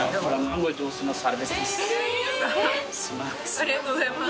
ありがとうございます。